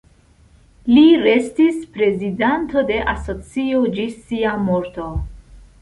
Li restis prezidanto de asocio ĝis sia morto.